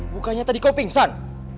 bukannya tadi kau pingsan